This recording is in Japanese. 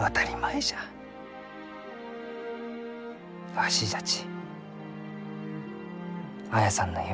わしじゃち綾さんの夢